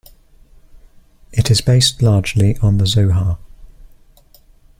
It is based largely on the Zohar.